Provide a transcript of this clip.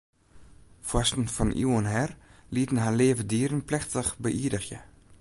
Foarsten fan iuwen her lieten har leave dieren plechtich beïerdigje.